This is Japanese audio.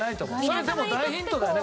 それでも大ヒントだよね？